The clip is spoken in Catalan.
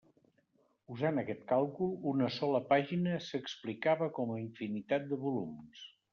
Usant aquest càlcul, una sola pàgina s'explicava com a infinitat de volums.